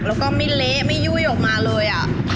แล้วก็ไม่เละไม่ยุ่ยออกมาเลย